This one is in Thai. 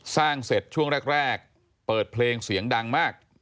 สร้างเสร็จช่วงแรกเปิดเพลงเสียงดังมาก